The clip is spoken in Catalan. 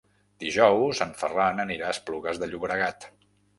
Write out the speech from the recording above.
Dijous en Ferran anirà a Esplugues de Llobregat.